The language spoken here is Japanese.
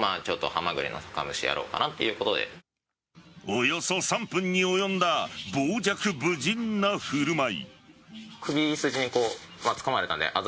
およそ３分に及んだ傍若無人な振る舞い。